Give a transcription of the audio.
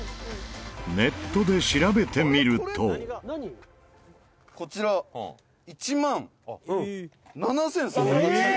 ネットで調べてみると二階堂：「こちら１万７３８０円」